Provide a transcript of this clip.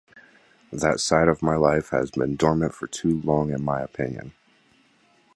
That side of my life has been dormant for too long in my opinion.